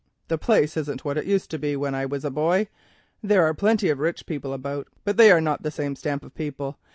The place isn't what it used to be when I was a boy. There are plenty of rich people about, but they are not the same stamp of people.